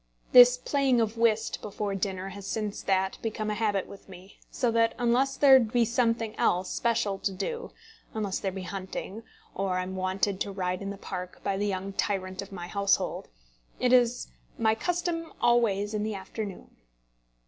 This playing of whist before dinner has since that become a habit with me, so that unless there be something else special to do unless there be hunting, or I am wanted to ride in the park by the young tyrant of my household it is "my custom always in the afternoon."